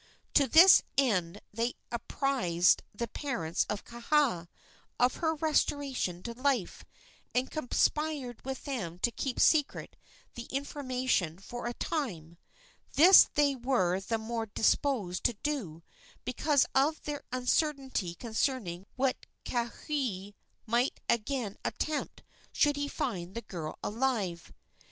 To this end they apprised the parents of Kaha of her restoration to life, and conspired with them to keep secret the information for a time. This they were the more disposed to do because of their uncertainty concerning what Kauhi might again attempt should he find the girl alive.